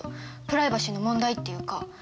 プライバシーの問題っていうか。